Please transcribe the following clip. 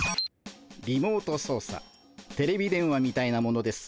リモート操作テレビ電話みたいなものです。